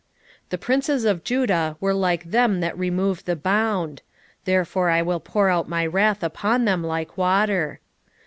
5:10 The princes of Judah were like them that remove the bound: therefore I will pour out my wrath upon them like water.